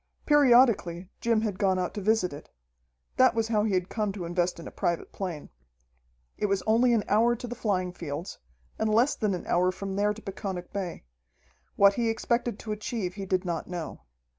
Periodically, Jim had gone out to visit it. That was how he had come to invest in a private plane. It was only an hour to the flying fields, and less than an hour from there to Peconic Bay. What he expected to achieve he did not know.